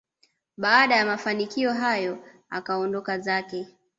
baada ya mafanikio hayo akaondoka zake